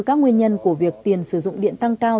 các nguyên nhân của việc tiền sử dụng điện tăng cao